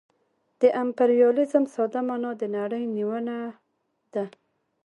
د امپریالیزم ساده مانا د نړۍ نیونه ده